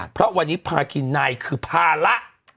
เพราะวันนี้พากินในคือภาระ